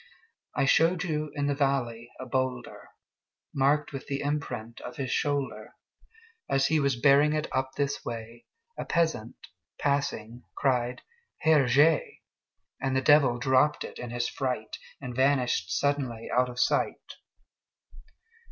I showed you in the valley a boulderMarked with the imprint of his shoulder; As he was bearing it up this way,A peasant, passing, cried, "Herr Jé!"And the Devil dropped it in his fright, And vanished suddenly out of sight!